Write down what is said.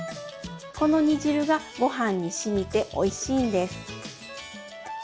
この煮汁がごはんにしみておいしいんです！